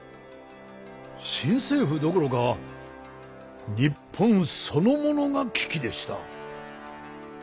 新政府どころか日本そのものが危機でした。